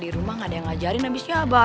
di rumah gak ada yang ngajarin abis itu abah